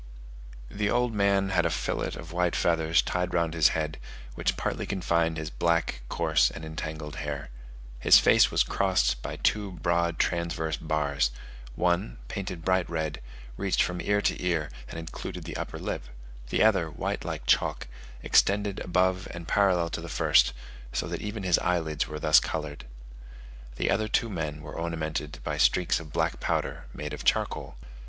The old man had a fillet of white feathers tied round his head, which partly confined his black, coarse, and entangled hair. His face was crossed by two broad transverse bars; one, painted bright red, reached from ear to ear and included the upper lip; the other, white like chalk, extended above and parallel to the first, so that even his eyelids were thus coloured. The other two men were ornamented by streaks of black powder, made of charcoal.